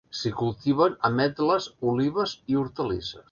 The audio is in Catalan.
S'hi cultiven ametles, olives i hortalisses.